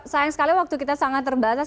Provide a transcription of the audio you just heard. sayang sekali waktu kita sangat terbatas